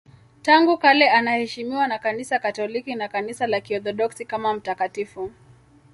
Tangu kale anaheshimiwa na Kanisa Katoliki na Kanisa la Kiorthodoksi kama mtakatifu.